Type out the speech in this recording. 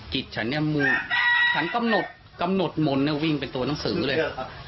กิจฉันกำหนดมนต์วิ่งเป็นตัวหนังสือเลย